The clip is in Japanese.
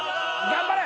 頑張れ！